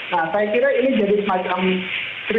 nah saya kira ini jadi semacam kritik yang besar sekali terhadap polri